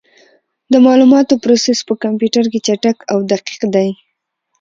د معلوماتو پروسس په کمپیوټر کې چټک او دقیق دی.